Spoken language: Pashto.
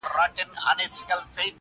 پر اطلاعاتو او کلتور وزارت